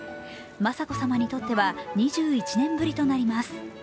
雅子さまにとっては２１年ぶりとなります。